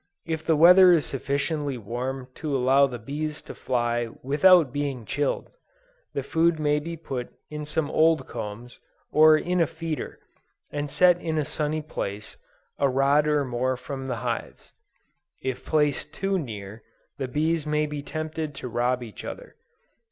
If the weather is sufficiently warm to allow the bees to fly without being chilled, the food may be put in some old combs, or in a feeder, and set in a sunny place, a rod or more from their hives. If placed too near, the bees may be tempted to rob each other.